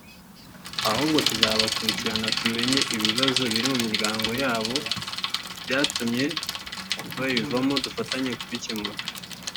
ahubwo tuzabakurikirana tumenye n’ibibazo biri mu miryango yabo byatumye bayivamo dufatanye kubikemura”